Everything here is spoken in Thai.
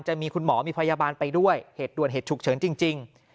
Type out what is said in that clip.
จะมีคุณหมอมีพยาบาลไปด้วยเหตุด่วนเหตุฉุกเฉินจริง